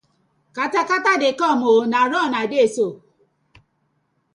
Katakata dey com ooo, na run I dey so ooo.